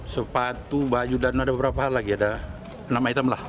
sepatu baju dan ada beberapa hal lagi ada nama hitam lah